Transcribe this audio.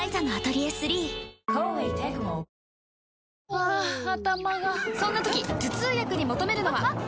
ハァ頭がそんな時頭痛薬に求めるのは？